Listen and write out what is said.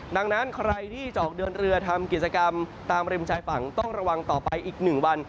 ดังนั้นใครที่จะออกเดินเรือทำกิจกรรมตามริมชายฝั่งต้องระวังต่อไปอีก๑วัน